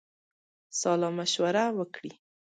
سالامشوره وکړي.